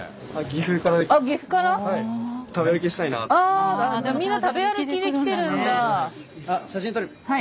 ああみんな食べ歩きで来てるんだ。